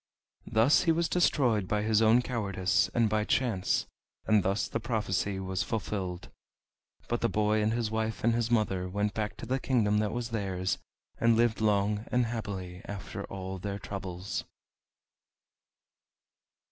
Thus he was destroyed by his own cowardice and by chance, and thus the prophecy was fulfilled. But the boy and his wife and his mother went back to the kingdom that was theirs, and lived long and happily after all their troubles.